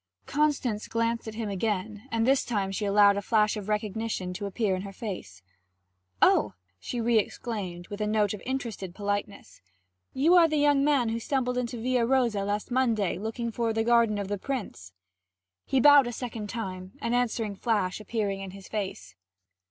Constance glanced at him again, and this time she allowed a flash of recognition to appear in her face. 'Oh!' she re exclaimed with a note of interested politeness, 'you are the young man who stumbled into Villa Rosa last Monday looking for the garden of the prince?' He bowed a second time, an answering flash appearing in his face.